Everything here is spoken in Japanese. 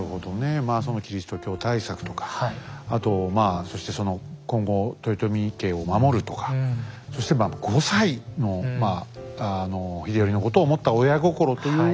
まあキリスト教対策とかあとまあそして今後豊臣家を守るとかそしてまあ５歳の秀頼のことを思った親心というのもあった。